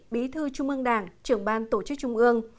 bí thư trung ương đảng trưởng ban tổ chức trung ương